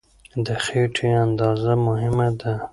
د خېټې اندازه مهمه ده.